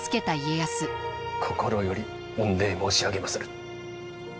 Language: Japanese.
心より御礼申し上げまする。